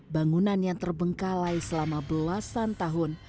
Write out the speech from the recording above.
bangunan yang terbengkalai selama belasan tahun